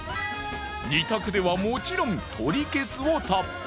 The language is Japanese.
二択ではもちろん「取り消す」をタップ。